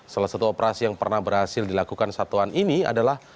salah satu operasi yang pernah berhasil dilakukan satuan ini adalah